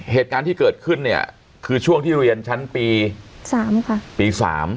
เหตุการณ์ที่เกิดขึ้นเนี่ยคือช่วงที่เรียนชั้นปี๓ค่ะปี๓